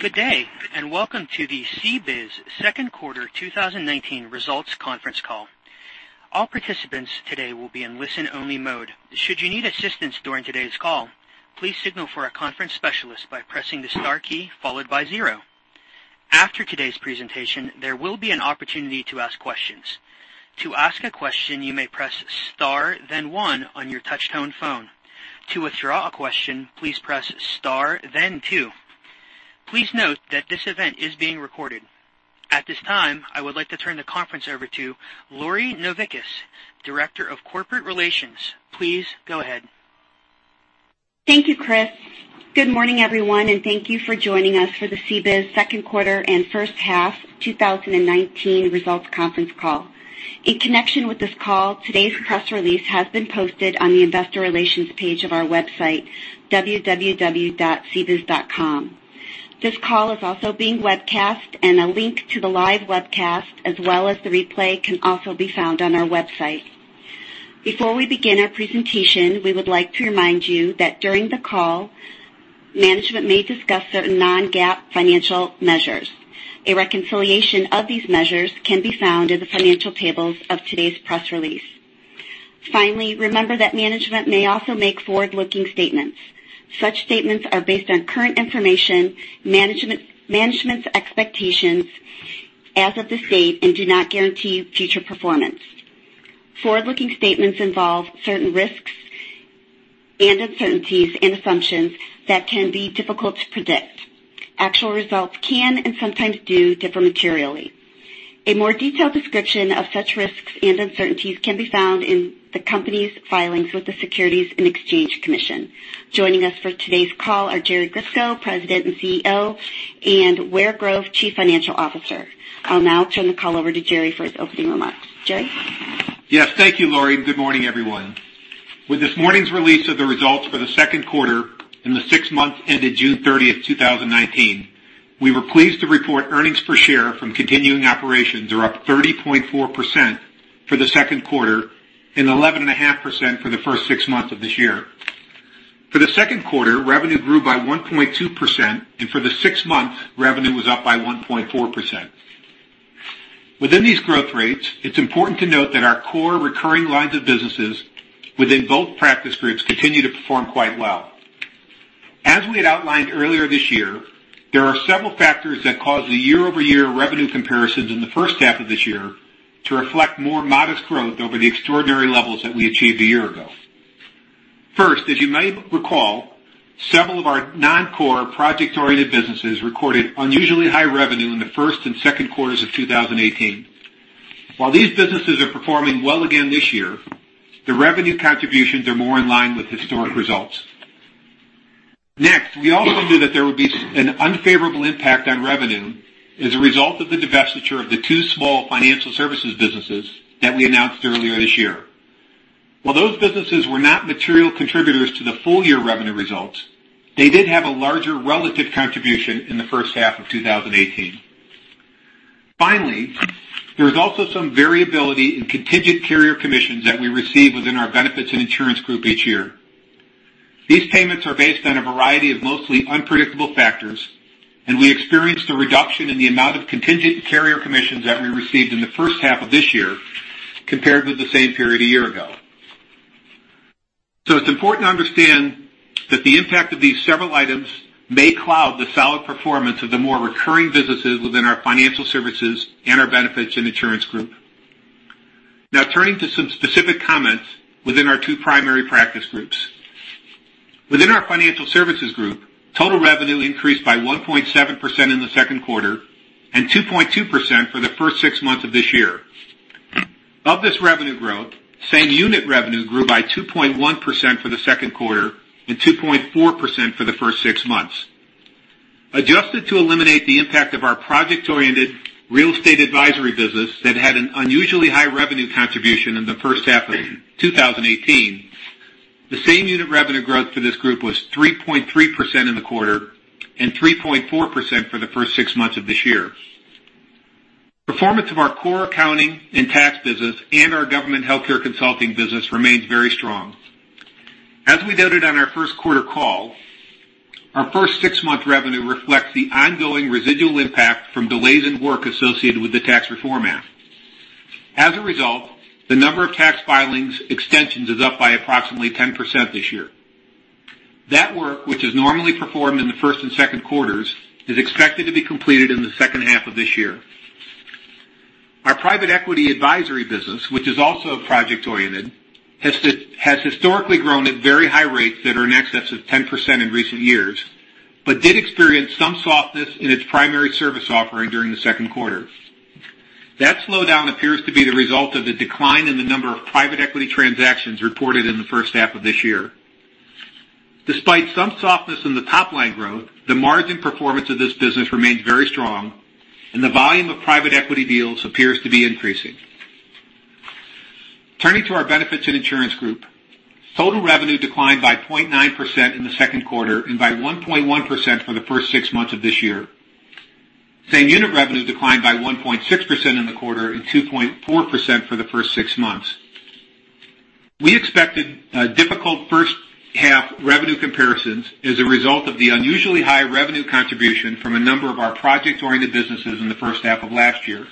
Good day, and welcome to the CBIZ second quarter 2019 results conference call. All participants today will be in listen-only mode. Should you need assistance during today's call, please signal for a conference specialist by pressing the star key followed by zero. After today's presentation, there will be an opportunity to ask questions. To ask a question, you may press star then one on your touch tone phone. To withdraw a question, please press star then two. Please note that this event is being recorded. At this time, I would like to turn the conference over to Lori Novickis, Director of Corporate Relations. Please go ahead. Thank you, Chris. Good morning, everyone, and thank you for joining us for the CBIZ second quarter and first half 2019 results conference call. In connection with this call, today's press release has been posted on the investor relations page of our website, www.cbiz.com. This call is also being webcast, and a link to the live webcast, as well as the replay, can also be found on our website. Before we begin our presentation, we would like to remind you that during the call, management may discuss certain non-GAAP financial measures. A reconciliation of these measures can be found in the financial tables of today's press release. Remember that management may also make forward-looking statements. Such statements are based on current information, management's expectations as of this date, and do not guarantee future performance. Forward-looking statements involve certain risks and uncertainties and assumptions that can be difficult to predict. Actual results can, and sometimes do, differ materially. A more detailed description of such risks and uncertainties can be found in the company's filings with the Securities and Exchange Commission. Joining us for today's call are Jerry Grisko, President and CEO, and Ware Grove, Chief Financial Officer. I'll now turn the call over to Jerry for his opening remarks. Jerry? Yes. Thank you, Lori. Good morning, everyone. With this morning's release of the results for the second quarter and the six months ended June 30th, 2019, we were pleased to report earnings per share from continuing operations are up 30.4% for the second quarter and 11.5% for the first six months of this year. For the second quarter, revenue grew by 1.2%. For the six months, revenue was up by 1.4%. Within these growth rates, it's important to note that our core recurring lines of businesses within both practice groups continue to perform quite well. As we had outlined earlier this year, there are several factors that cause the year-over-year revenue comparisons in the first half of this year to reflect more modest growth over the extraordinary levels that we achieved a year ago. First, as you may recall, several of our non-core project-oriented businesses recorded unusually high revenue in the first and second quarters of 2018. While these businesses are performing well again this year, the revenue contributions are more in line with historic results. Next, we also knew that there would be an unfavorable impact on revenue as a result of the divestiture of the two small financial services businesses that we announced earlier this year. While those businesses were not material contributors to the full-year revenue results, they did have a larger relative contribution in the first half of 2018. Finally, there is also some variability in contingent carrier commissions that we receive within our benefits and insurance group each year. These payments are based on a variety of mostly unpredictable factors, and we experienced a reduction in the amount of contingent carrier commissions that we received in the first half of this year compared with the same period a year ago. It's important to understand that the impact of these several items may cloud the solid performance of the more recurring businesses within our Financial Services and our Benefits and Insurance Group. Now turning to some specific comments within our two primary practice groups. Within our Financial Services Group, total revenue increased by 1.7% in the second quarter and 2.2% for the first six months of this year. Of this revenue growth, same-unit revenue grew by 2.1% for the second quarter and 2.4% for the first six months. Adjusted to eliminate the impact of our project-oriented real estate advisory business that had an unusually high revenue contribution in the first half of 2018, the same unit revenue growth for this group was 3.3% in the quarter and 3.4% for the first six months of this year. Performance of our core accounting and tax business and our government healthcare consulting business remains very strong. As we noted on our first quarter call, our first six-month revenue reflects the ongoing residual impact from delays in work associated with the tax reform act. As a result, the number of tax filings extensions is up by approximately 10% this year. That work, which is normally performed in the first and second quarters, is expected to be completed in the second half of this year. Our private equity advisory business, which is also project oriented, has historically grown at very high rates that are in excess of 10% in recent years, but did experience some softness in its primary service offering during the second quarter. That slowdown appears to be the result of the decline in the number of private equity transactions reported in the first half of this year. Despite some softness in the top-line growth, the margin performance of this business remains very strong, and the volume of private equity deals appears to be increasing. Turning to our benefits and insurance group, total revenue declined by 0.9% in the second quarter and by 1.1% for the first six months of this year. Same-unit revenue declined by 1.6% in the quarter and 2.4% for the first six months. We expected a difficult first half revenue comparisons as a result of the unusually high revenue contribution from a number of our project-oriented businesses in the first half of last year.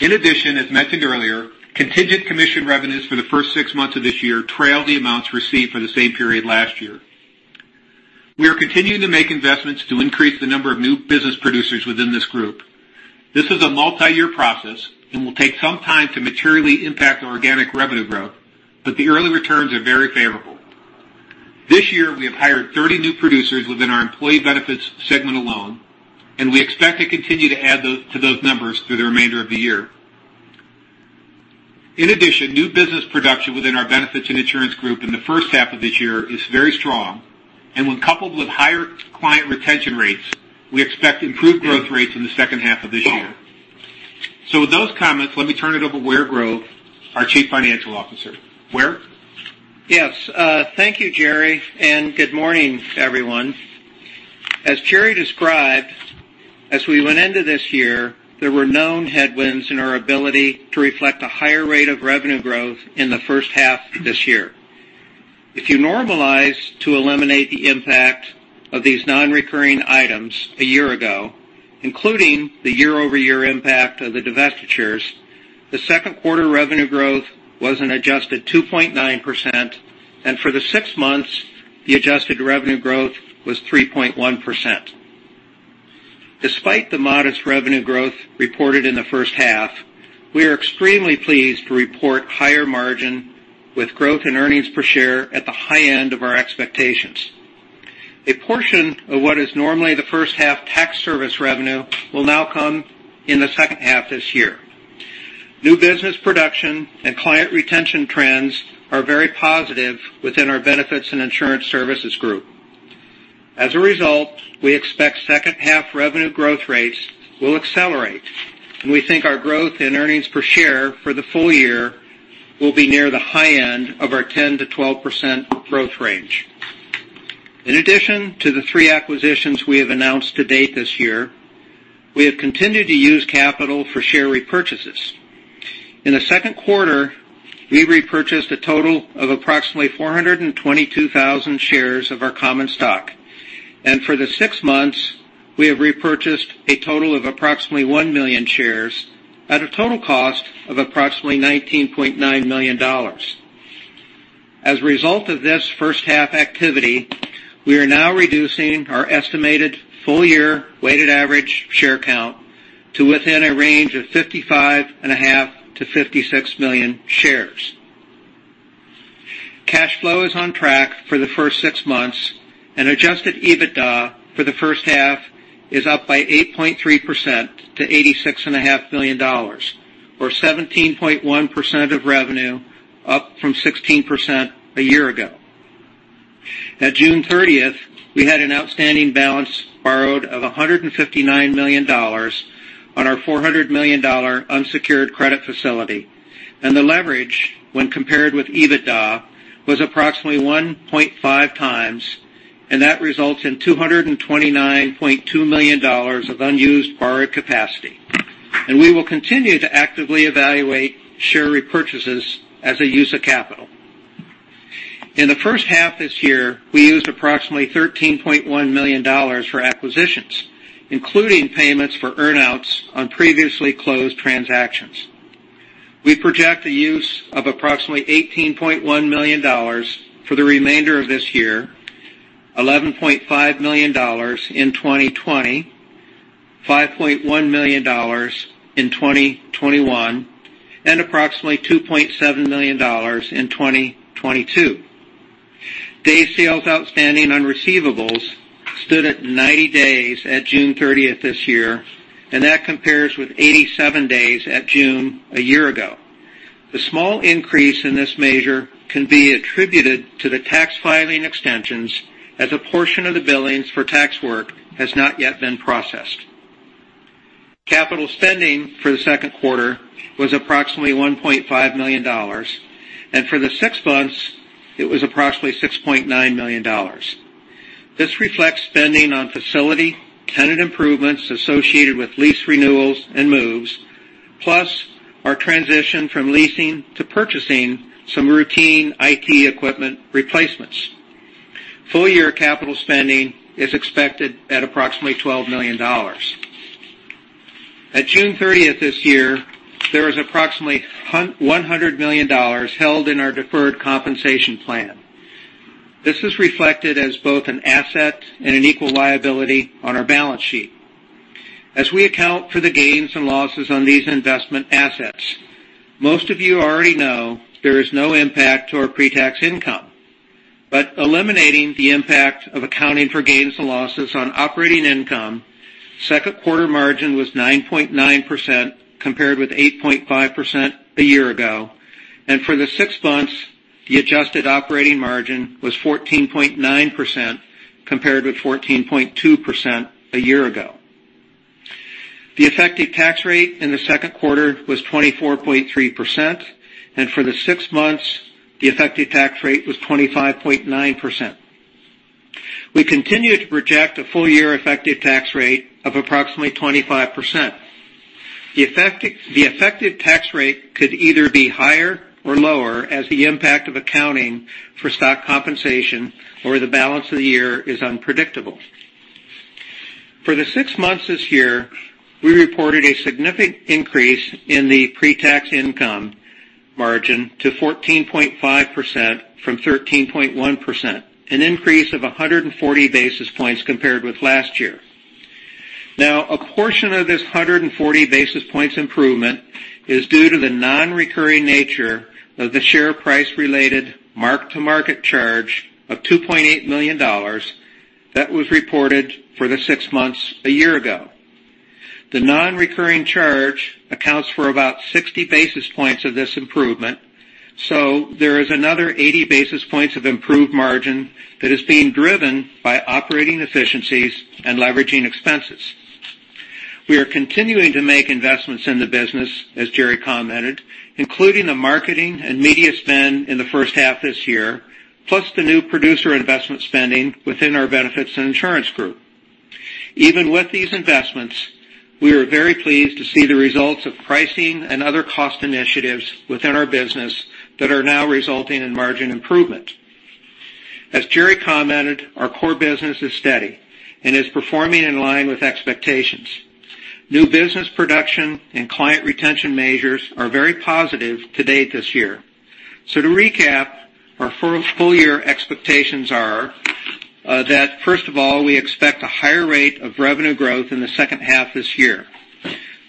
In addition, as mentioned earlier, contingent commission revenues for the first six months of this year trailed the amounts received for the same period last year. We are continuing to make investments to increase the number of new business producers within this group. This is a multi-year process and will take some time to materially impact our organic revenue growth, but the early returns are very favorable. This year, we have hired 30 new producers within our Employee Benefits segment alone, and we expect to continue to add to those numbers through the remainder of the year. In addition, new business production within our benefits and insurance group in the first half of this year is very strong. When coupled with higher client retention rates, we expect improved growth rates in the second half of this year. With those comments, let me turn it over to Ware Grove, our Chief Financial Officer. Ware? Yes. Thank you, Jerry, and good morning, everyone. As Jerry described, as we went into this year, there were known headwinds in our ability to reflect a higher rate of revenue growth in the first half this year. If you normalize to eliminate the impact of these non-recurring items a year ago, including the year-over-year impact of the divestitures, the second quarter revenue growth was an adjusted 2.9%, and for the six months, the adjusted revenue growth was 3.1%. Despite the modest revenue growth reported in the first half, we are extremely pleased to report higher margin with growth in earnings per share at the high end of our expectations. A portion of what is normally the first half tax service revenue will now come in the second half this year. New business production and client retention trends are very positive within our benefits and insurance services group. As a result, we expect second half revenue growth rates will accelerate, and we think our growth in earnings per share for the full year will be near the high end of our 10%-12% growth range. In addition to the three acquisitions we have announced to date this year, we have continued to use capital for share repurchases. In the second quarter, we repurchased a total of approximately 422,000 shares of our common stock. For the six months, we have repurchased a total of approximately 1 million shares at a total cost of approximately $19.9 million. As a result of this first half activity, we are now reducing our estimated full-year weighted average share count to within a range of 55.5 million-56 million shares. Cash flow is on track for the first six months. Adjusted EBITDA for the first half is up by 8.3% to $86.5 million, or 17.1% of revenue, up from 16% a year ago. At June 30th, we had an outstanding balance borrowed of $159 million on our $400 million unsecured credit facility. The leverage, when compared with EBITDA, was approximately 1.5 times, and that results in $229.2 million of unused borrowed capacity. We will continue to actively evaluate share repurchases as a use of capital. In the first half this year, we used approximately $13.1 million for acquisitions, including payments for earn-outs on previously closed transactions. We project the use of approximately $18.1 million for the remainder of this year, $11.5 million in 2020, $5.1 million in 2021, and approximately $2.7 million in 2022. Days sales outstanding on receivables stood at 90 days at June 30th this year, and that compares with 87 days at June a year ago. The small increase in this measure can be attributed to the tax filing extensions as a portion of the billings for tax work has not yet been processed. Capital spending for the second quarter was approximately $1.5 million, and for the six months, it was approximately $6.9 million. This reflects spending on facility, tenant improvements associated with lease renewals and moves, plus our transition from leasing to purchasing some routine IT equipment replacements. Full-year capital spending is expected at approximately $12 million. At June 30th this year, there was approximately $100 million held in our deferred compensation plan. This is reflected as both an asset and an equal liability on our balance sheet. As we account for the gains and losses on these investment assets, most of you already know there is no impact to our pre-tax income. Eliminating the impact of accounting for gains and losses on operating income, second quarter margin was 9.9% compared with 8.5% a year ago. For the six months, the adjusted operating margin was 14.9% compared with 14.2% a year ago. The effective tax rate in the second quarter was 24.3%, and for the six months, the effective tax rate was 25.9%. We continue to project a full year effective tax rate of approximately 25%. The effective tax rate could either be higher or lower as the impact of accounting for stock compensation over the balance of the year is unpredictable. For the six months this year, we reported a significant increase in the pre-tax income margin to 14.5% from 13.1%, an increase of 140 basis points compared with last year. A portion of this 140 basis points improvement is due to the non-recurring nature of the share price related mark-to-market charge of $2.8 million that was reported for the six months a year ago. The non-recurring charge accounts for about 60 basis points of this improvement. There is another 80 basis points of improved margin that is being driven by operating efficiencies and leveraging expenses. We are continuing to make investments in the business, as Jerry commented, including the marketing and media spend in the first half this year, plus the new producer investment spending within our benefits and insurance group. Even with these investments, we are very pleased to see the results of pricing and other cost initiatives within our business that are now resulting in margin improvement. As Jerry commented, our core business is steady and is performing in line with expectations. New business production and client retention measures are very positive to date this year. To recap, our full year expectations are that, first of all, we expect a higher rate of revenue growth in the second half this year.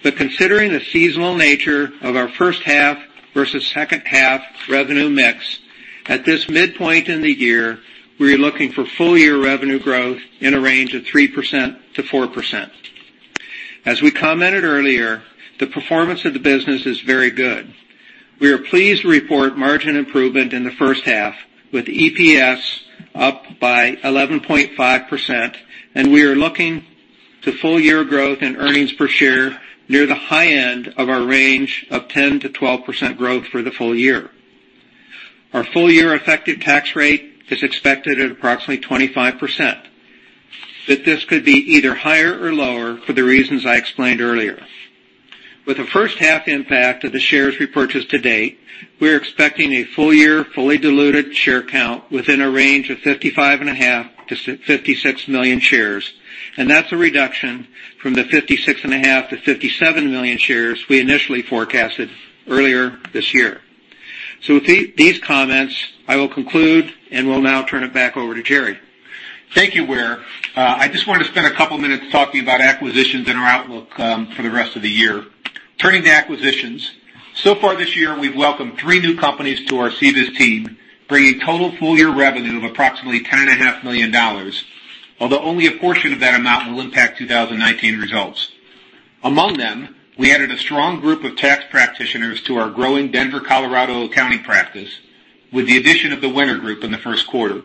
Considering the seasonal nature of our first half versus second half revenue mix, at this midpoint in the year, we're looking for full year revenue growth in a range of 3%-4%. As we commented earlier, the performance of the business is very good. We are pleased to report margin improvement in the first half, with EPS up by 11.5%, and we are looking to full year growth in earnings per share near the high end of our range of 10%-12% growth for the full year. Our full year effective tax rate is expected at approximately 25%, but this could be either higher or lower for the reasons I explained earlier. With the first half impact of the shares repurchased to date, we are expecting a full year, fully diluted share count within a range of 55.5 million-56 million shares, and that's a reduction from the 56.5 million-57 million shares we initially forecasted earlier this year. With these comments, I will conclude, and will now turn it back over to Jerry. Thank you, Ware. I just want to spend a couple of minutes talking about acquisitions and our outlook for the rest of the year. Turning to acquisitions, so far this year, we've welcomed three new companies to our CBIZ team, bringing total full year revenue of approximately $10.5 million, although only a portion of that amount will impact 2019 results. Among them, we added a strong group of tax practitioners to our growing Denver, Colorado accounting practice with the addition of the Wenner Group in the first quarter.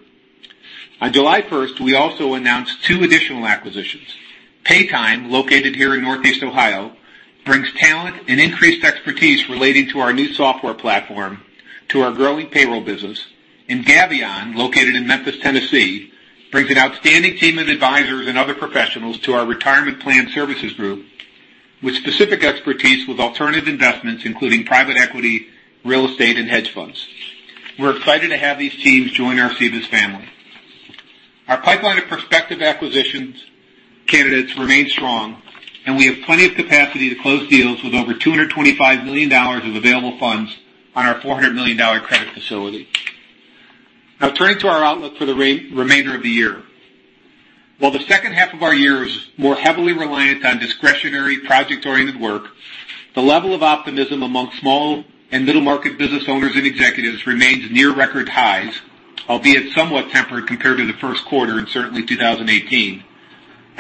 On July 1st, we also announced two additional acquisitions. Paytime, located here in Northeast Ohio, brings talent and increased expertise relating to our new software platform to our growing payroll business, and Gavion, located in Memphis, Tennessee, brings an outstanding team of advisors and other professionals to our retirement plan services group with specific expertise with alternative investments, including private equity, real estate, and hedge funds. We're excited to have these teams join our CBIZ family. Our pipeline of prospective acquisitions candidates remains strong, and we have plenty of capacity to close deals with over $225 million of available funds on our $400 million credit facility. Turning to our outlook for the remainder of the year. While the second half of our year is more heavily reliant on discretionary, project-oriented work, the level of optimism amongst small and middle-market business owners and executives remains near record highs, albeit somewhat tempered compared to the first quarter in certainly 2018.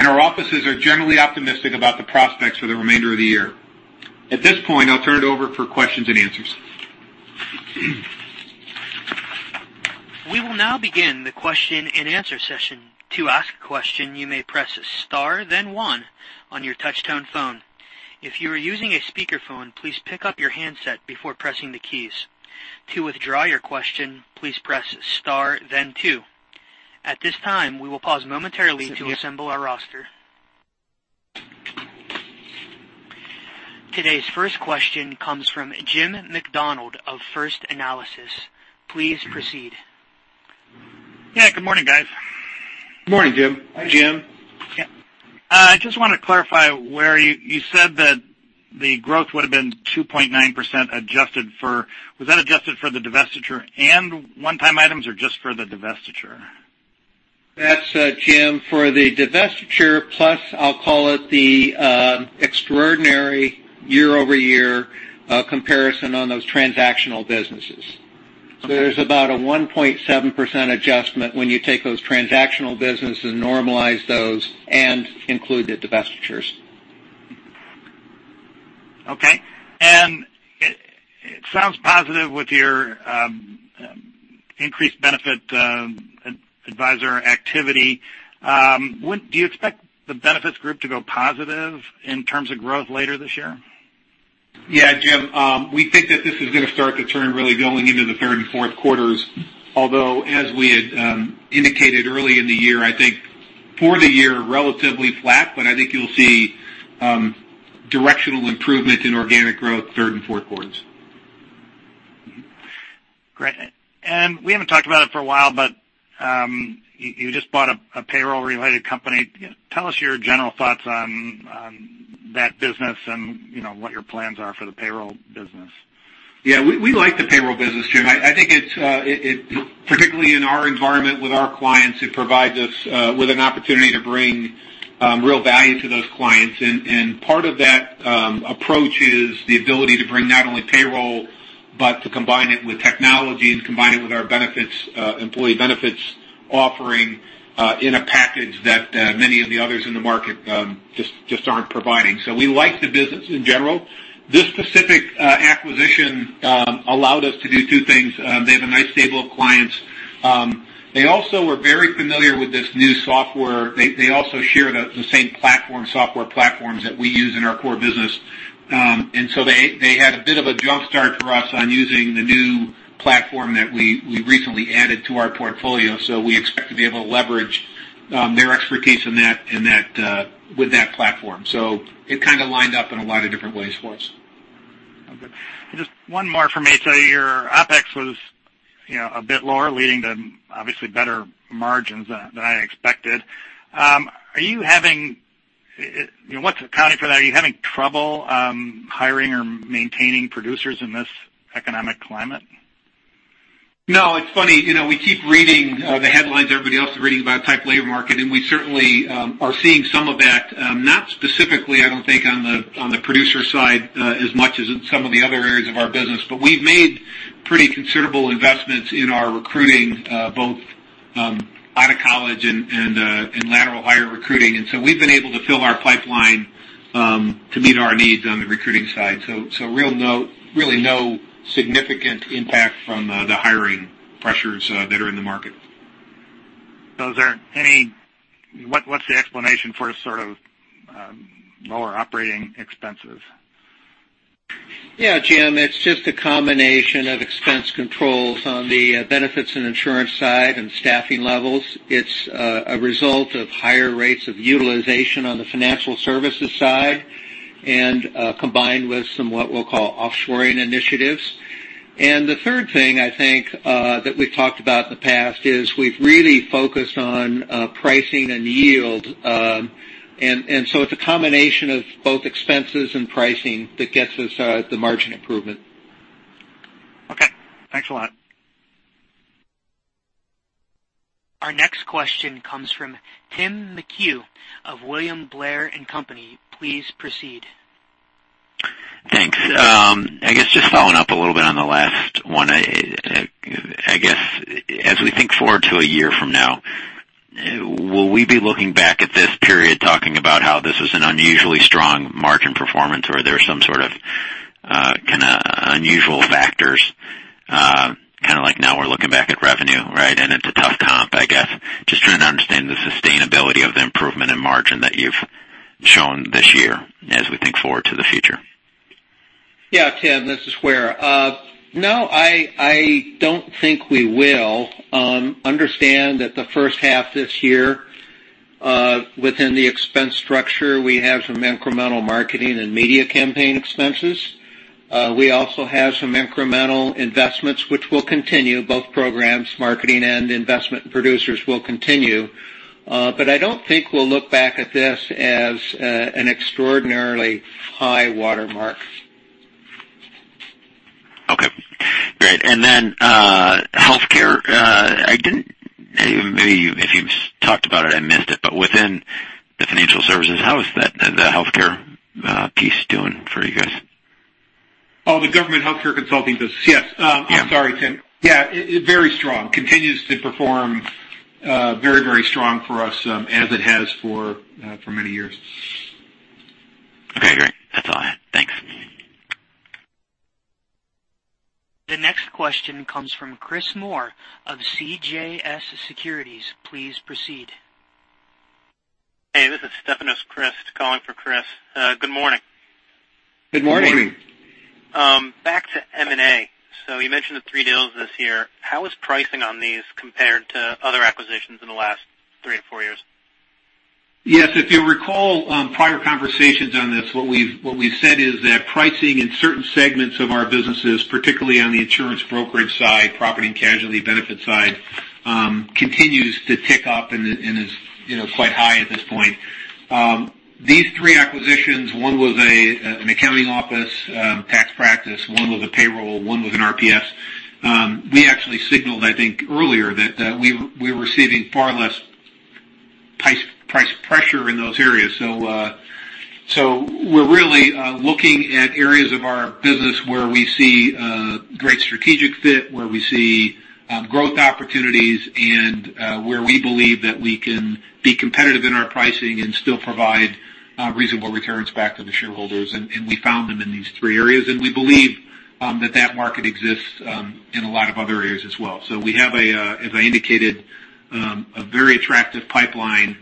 Our offices are generally optimistic about the prospects for the remainder of the year. At this point, I'll turn it over for questions and answers. We will now begin the question and answer session. To ask a question, you may press star then one on your touch tone phone. If you are using a speakerphone, please pick up your handset before pressing the keys. To withdraw your question, please press star then two. At this time, we will pause momentarily to assemble our roster. Today's first question comes from Jim Macdonald of First Analysis. Please proceed. Yeah, good morning, guys. Good morning, Jim. Hi, Jim. Yeah. I just want to clarify, Ware, you said that the growth would have been 2.9%. Was that adjusted for the divestiture and one-time items, or just for the divestiture? That's, Jim, for the divestiture plus, I'll call it the extraordinary year-over-year comparison on those transactional businesses. There's about a 1.7% adjustment when you take those transactional businesses, normalize those, and include the divestitures. Okay. It sounds positive with your increased benefit advisor activity. Do you expect the benefits group to go positive in terms of growth later this year? Yeah, Jim, we think that this is going to start to turn really going into the third and fourth quarters, although as we had indicated early in the year, I think for the year, relatively flat. I think you'll see directional improvement in organic growth third and fourth quarters. Great. We haven't talked about it for a while, but you just bought a payroll-related company. Tell us your general thoughts on that business and what your plans are for the payroll business. Yeah, we like the payroll business, Jim. I think, particularly in our environment with our clients, it provides us with an opportunity to bring real value to those clients. Part of that approach is the ability to bring not only payroll, but to combine it with technology and combine it with our employee benefits offering, in a package that many of the others in the market just aren't providing. We like the business in general. This specific acquisition allowed us to do two things. They have a nice stable of clients. They also were very familiar with this new software. They also share the same software platforms that we use in our core business. They had a bit of a jumpstart for us on using the new platform that we recently added to our portfolio, so we expect to be able to leverage their expertise with that platform. It kind of lined up in a lot of different ways for us. Okay. Just one more from me. Your OpEx was a bit lower, leading to obviously better margins than I expected. What's accounting for that? Are you having trouble hiring or maintaining producers in this economic climate? No, it's funny, we keep reading the headlines everybody else is reading about tight labor market, and we certainly are seeing some of that. Not specifically, I don't think, on the producer side, as much as in some of the other areas of our business. We've made pretty considerable investments in our recruiting, both out of college and lateral hire recruiting, and so we've been able to fill our pipeline to meet our needs on the recruiting side. Really no significant impact from the hiring pressures that are in the market. What's the explanation for sort of lower operating expenses? Yeah, Jim, it's just a combination of expense controls on the benefits and insurance side and staffing levels. It's a result of higher rates of utilization on the financial services side, and combined with some, what we'll call offshoring initiatives. The third thing, I think, that we've talked about in the past is we've really focused on pricing and yield. So it's a combination of both expenses and pricing that gets us the margin improvement. Okay. Thanks a lot. Our next question comes from Tim McHugh of William Blair & Company. Please proceed. Thanks. I guess just following up a little bit on the last one. I guess, as we think forward to a year from now, will we be looking back at this period talking about how this was an unusually strong margin performance, or are there some sort of unusual factors? Kind of like now we're looking back at revenue, right? It's a tough comp, I guess. Just trying to understand the sustainability of the improvement in margin that you've shown this year as we think forward to the future. Yeah, Tim, this is Ware. No, I don't think we will. Understand that the first half this year, within the expense structure, we have some incremental marketing and media campaign expenses. We also have some incremental investments which will continue, both programs, marketing and investment producers will continue. I don't think we'll look back at this as an extraordinarily high watermark. Okay, great. Healthcare, if you talked about it, I missed it, but within the financial services, how is the healthcare piece doing for you guys? Oh, the government healthcare consulting business? Yes. Yeah. I'm sorry, Tim. Yeah, very strong. Continues to perform very strong for us, as it has for many years. Okay, great. That's all I had. Thanks. The next question comes from Chris Moore of CJS Securities. Please proceed. Hey, this is Stefanos Crist calling for Chris. Good morning. Good morning. Morning. Back to M&A. You mentioned the three deals this year. How is pricing on these compared to other acquisitions in the last three or four years? Yes, if you'll recall prior conversations on this, what we've said is that pricing in certain segments of our businesses, particularly on the insurance brokerage side, property and casualty benefit side, continues to tick up and is quite high at this point. These three acquisitions, one was an accounting office tax practice, one was a payroll, one was an RPS. We actually signaled, I think earlier, that we're receiving far less price pressure in those areas. We're really looking at areas of our business where we see a great strategic fit, where we see growth opportunities, and where we believe that we can be competitive in our pricing and still provide reasonable returns back to the shareholders, and we found them in these three areas. We believe that market exists in a lot of other areas as well. We have, as I indicated, a very attractive pipeline of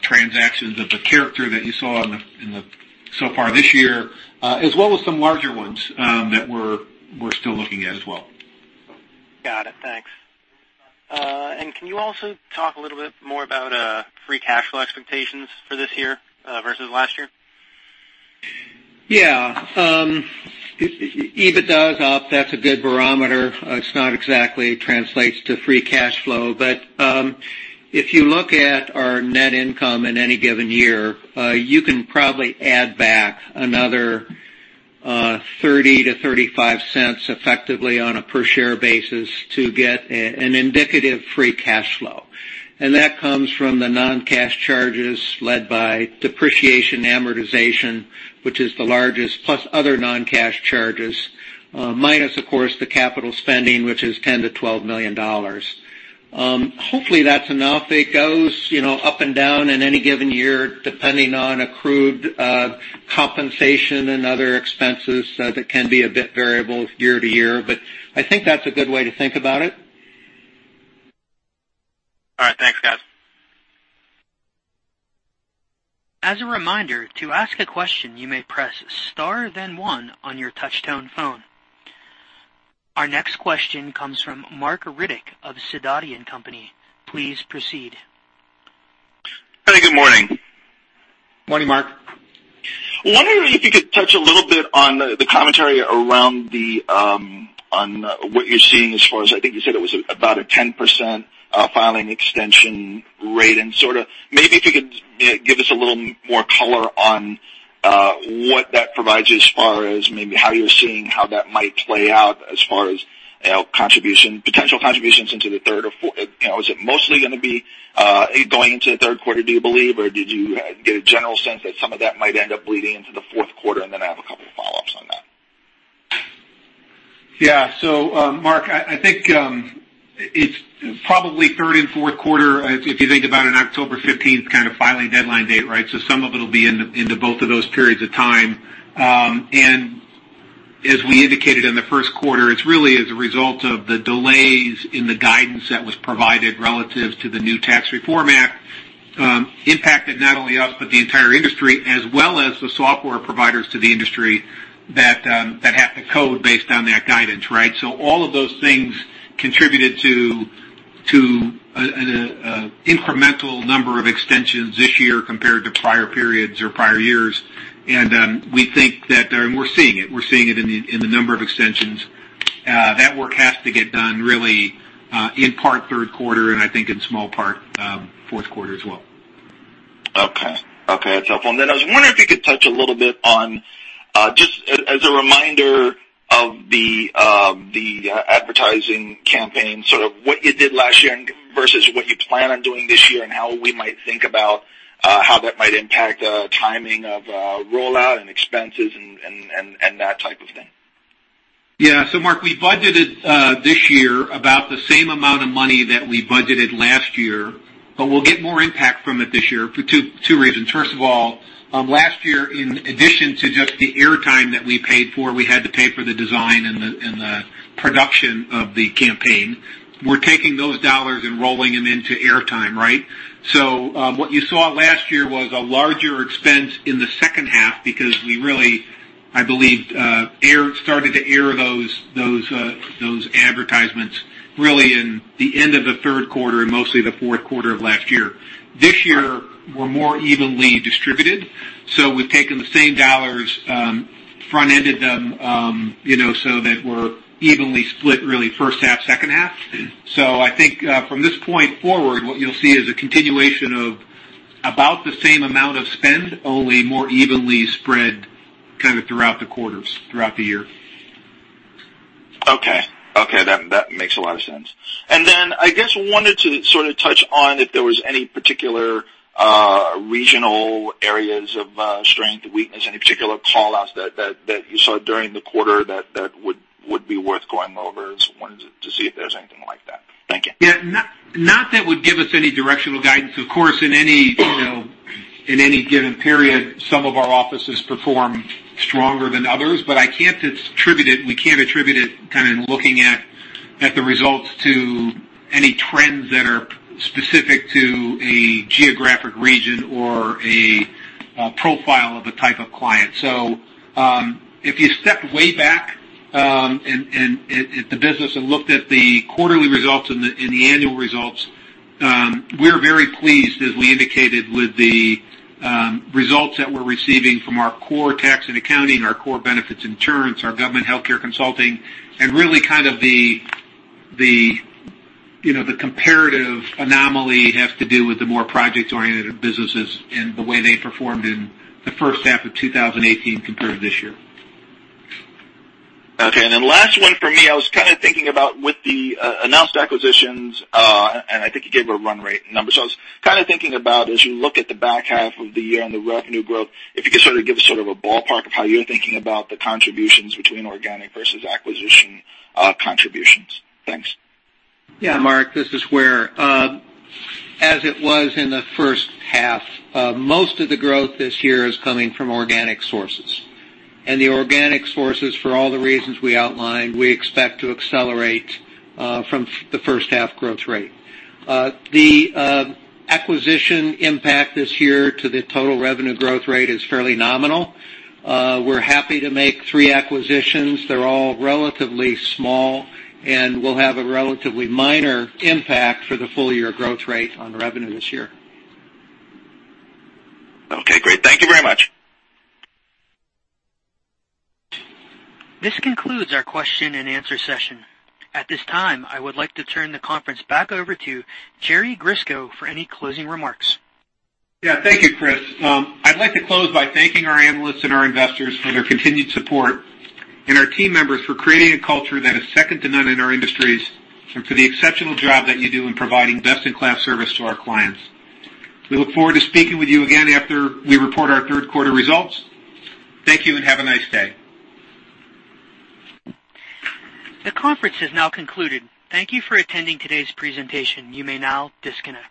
transactions of the character that you saw so far this year, as well as some larger ones that we're still looking at as well. Got it. Thanks. Can you also talk a little bit more about free cash flow expectations for this year versus last year? Yeah. EBITDA is up. That's a good barometer. It's not exactly translates to free cash flow. If you look at our net income in any given year, you can probably add back another $0.30-$0.35 effectively on a per share basis to get an indicative free cash flow. That comes from the non-cash charges led by depreciation amortization, which is the largest, plus other non-cash charges, minus, of course, the capital spending, which is $10 million-$12 million. Hopefully, that's enough. It goes up and down in any given year, depending on accrued compensation and other expenses, that can be a bit variable year to year. I think that's a good way to think about it. All right. Thanks, guys. As a reminder, to ask a question, you may press star then one on your touch-tone phone. Our next question comes from Marc Riddick of Sidoti & Company. Please proceed. Good morning. Morning, Marc. wondering if you could touch a little bit on the commentary around what you're seeing as far as, I think you said it was about a 10% filing extension rate, and maybe if you could give us a little more color on what that provides as far as maybe how you're seeing how that might play out as far as potential contributions into the third or fourth. Is it mostly going to be going into the third quarter, do you believe, or did you get a general sense that some of that might end up bleeding into the fourth quarter? I have a couple of follow-ups on that. Yeah. Marc, I think it's probably third and fourth quarter, if you think about an October 15th kind of filing deadline date, right? As we indicated in the first quarter, it's really as a result of the delays in the guidance that was provided relative to the new tax reform act impacted not only us, but the entire industry, as well as the software providers to the industry that have to code based on that guidance, right? All of those things contributed to an incremental number of extensions this year compared to prior periods or prior years. And we're seeing it. We're seeing it in the number of extensions. That work has to get done really in part third quarter, and I think in small part fourth quarter as well. Okay. That's helpful. I was wondering if you could touch a little bit on, just as a reminder of the advertising campaign, sort of what you did last year versus what you plan on doing this year, and how we might think about how that might impact timing of rollout and expenses and that type of thing. Yeah. Marc, we budgeted this year about the same amount of money that we budgeted last year, but we'll get more impact from it this year for two reasons. First of all, last year, in addition to just the air time that we paid for, we had to pay for the design and the production of the campaign. We're taking those dollars and rolling them into air time, right? What you saw last year was a larger expense in the second half because we really, I believe, started to air those advertisements really in the end of the third quarter and mostly the fourth quarter of last year. This year, we're more evenly distributed. We've taken the same dollars, front-ended them, so that we're evenly split really first half, second half. I think from this point forward, what you'll see is a continuation of about the same amount of spend, only more evenly spread kind of throughout the quarters, throughout the year. Okay. That makes a lot of sense. I guess wanted to sort of touch on if there was any particular regional areas of strength, weakness, any particular call-outs that you saw during the quarter that would be worth going over. Just wanted to see if there's anything like that. Thank you. Yeah. Not that would give us any directional guidance. Of course, in any given period, some of our offices perform stronger than others, but we can't attribute it kind of in looking at the results to any trends that are specific to a geographic region or a profile of a type of client. If you step way back in the business and looked at the quarterly results and the annual results, we're very pleased, as we indicated, with the results that we're receiving from our core tax and accounting, our core benefits insurance, our government healthcare consulting, and really kind of the comparative anomaly has to do with the more project-oriented businesses and the way they performed in the first half of 2018 compared to this year. Okay. Then last one for me. I was kind of thinking about with the announced acquisitions, and I think you gave a run rate number. I was kind of thinking about as you look at the back half of the year and the revenue growth, if you could sort of give us sort of a ballpark of how you're thinking about the contributions between organic versus acquisition contributions. Thanks. Yeah, Marc, this is Ware. As it was in the first half, most of the growth this year is coming from organic sources. The organic sources, for all the reasons we outlined, we expect to accelerate from the first half growth rate. The acquisition impact this year to the total revenue growth rate is fairly nominal. We're happy to make three acquisitions. They're all relatively small and will have a relatively minor impact for the full-year growth rate on revenue this year. Okay, great. Thank you very much. This concludes our question and answer session. At this time, I would like to turn the conference back over to Jerry Grisko for any closing remarks. Yeah. Thank you, Chris. I'd like to close by thanking our analysts and our investors for their continued support, and our team members for creating a culture that is second to none in our industries, and for the exceptional job that you do in providing best-in-class service to our clients. We look forward to speaking with you again after we report our third quarter results. Thank you, and have a nice day. The conference has now concluded. Thank you for attending today's presentation. You may now disconnect.